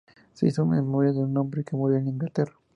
Se hizo en memoria de un hombre que murió en Inglaterra.